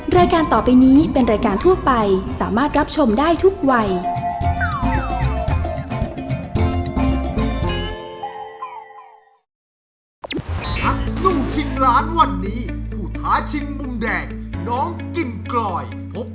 รายการต่อไปนี้เป็นรายการทั่วไปสามารถรับชมได้ทุกวัย